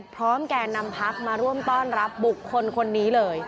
แก่นำพักมาร่วมต้อนรับบุคคลคนนี้เลย